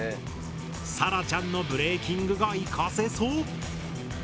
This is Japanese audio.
さらちゃんのブレーキングが生かせそう。